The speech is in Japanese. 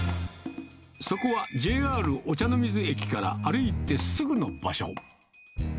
そこはＪＲ御茶ノ水駅から歩いてすぐの場所。